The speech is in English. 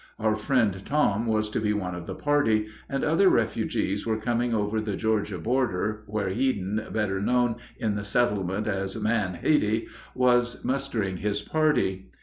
Our friend Tom was to be one of the party, and other refugees were coming over the Georgia border, where Headen, better known in the settlement as "Man Heady," was mustering his party.